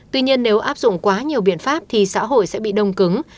tuy nhiên nếu áp dụng quá nhiều biện pháp thì xã hội sẽ bị đông cứng